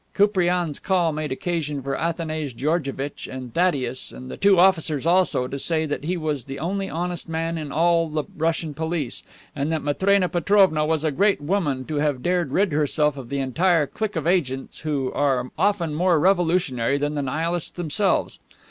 Koupriane's call made occasion for Athanase Georgevitch and Thaddeus, and the two officers also, to say that he was the only honest man in all the Russian police, and that Matrena Petrovna was a great woman to have dared rid herself of the entire clique of agents, who are often more revolutionary than the Nihilists themselves.